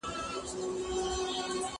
کېدای سي فکر ستونزي ولري!